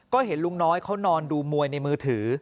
ก็เห็นลุงน้อยเขานอนดูมวยในมือถือ